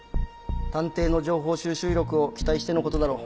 探偵の情報収集力を期待してのことだろう。